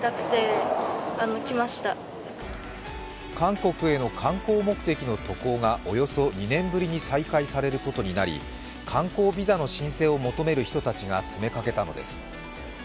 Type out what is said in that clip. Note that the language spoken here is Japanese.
韓国への観光目的の渡航がおよそ２年ぶりに再開されることになり観光ビザの申請を求める人たちが詰めかけたのです。